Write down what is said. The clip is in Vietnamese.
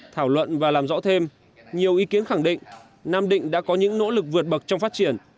thảo luận và làm rõ thêm nhiều ý kiến khẳng định nam định đã có những nỗ lực vượt bậc trong phát triển